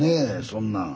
そんなん。